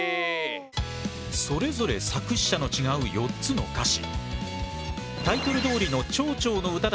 それぞれ作詞者の違う４つの歌詞。